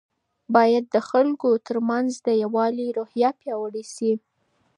باید د خلګو ترمنځ د یووالي روحیه پیاوړې سي.